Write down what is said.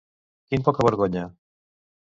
Quin pocavergonya.